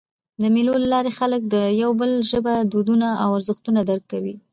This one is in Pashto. د مېلو له لاري خلک د یو بل ژبه، دودونه او ارزښتونه درک کوي.